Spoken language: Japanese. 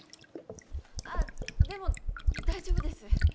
あっでも大丈夫です。